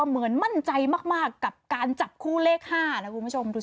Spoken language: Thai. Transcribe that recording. เหมือนมั่นใจมากกับการจับคู่เลข๕นะคุณผู้ชมดูสิ